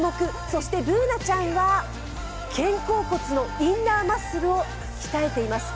そしてＢｏｏｎａちゃんは肩甲骨のインナーマッスルを鍛えています。